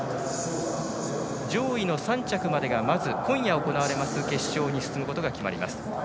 上位の３着までが今夜行われる決勝に進むことができます。